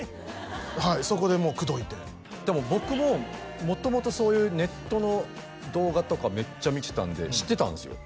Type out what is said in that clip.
はいそこでもう口説いてでも僕も元々そういうネットの動画とかめっちゃ見てたんで知ってたんですよ